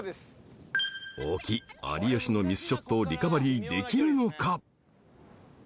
［大木有吉のミスショットをリカバリーできるのか？］